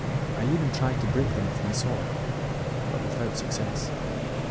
"I even tried to break them with my sword, but did not succeed.